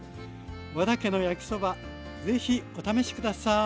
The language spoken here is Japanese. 和田家の焼きそばぜひお試し下さい！